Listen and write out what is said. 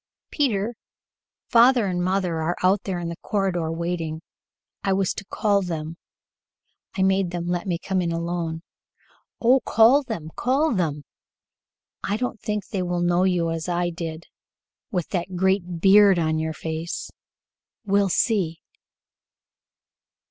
"Peter, father and mother are out there in the corridor waiting. I was to call them. I made them let me come in alone." "Oh, call them, call them!" "I don't think they will know you as I did, with that great beard on your face. We'll see."